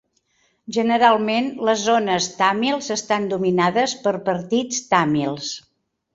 Generalment les zones tàmils estan dominades per partits tàmils.